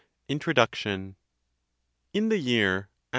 INTRODUCTION. In the year a.